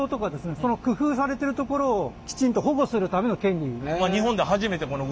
その工夫されてるところをきちんと保護するための権利。